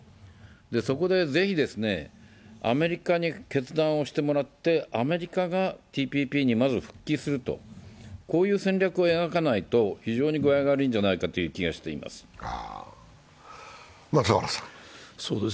そこでぜひ、アメリカに決断をしてもらって、アメリカがＴＰＰにまず復帰するという戦略を描かないと非常に具合が悪いんじゃないかという気がしています。